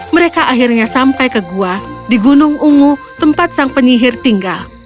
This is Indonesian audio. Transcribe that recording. mereka akhirnya sampai ke gua di gunung ungu tempat sang penyihir tinggal